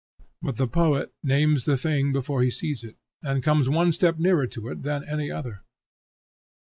But the poet names the thing because he sees it, or comes one step nearer to it than any other.